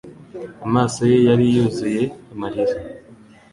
Amaso ye yari yuzuye amarira